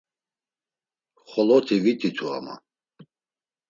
Xoloti vit̆itu ama.